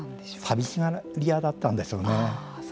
寂しがり屋だったんでしょうね。